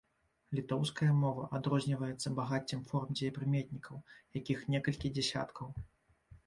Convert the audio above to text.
Літоўская мова адрозніваецца багаццем форм дзеепрыметнікаў, якіх некалькі дзясяткаў.